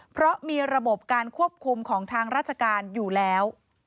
เพราะมีระบบการควบคุมของทางราชการอยู่แล้ว